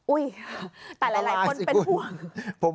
แต่หลายคนเป็นห่วง